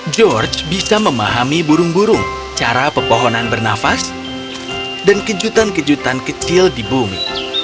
george bisa memahami burung burung cara pepohonan bernafas dan kejutan kejutan kecil di bumi